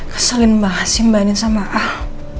keselin banget sih mba anin sama ah